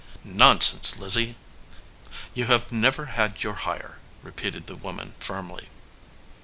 "Nonsense, Lizzie!" "You have never had your hire," repeated the woman, firmly.